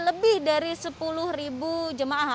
lebih dari sepuluh ribu jemaah